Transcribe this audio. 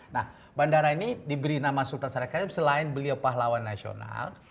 nah bandara ini diberi nama sultan syarikat selain beliau pahlawan nasional